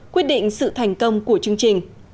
quyết định sự thành công của chương trình